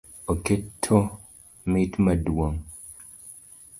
Oketo mit madung’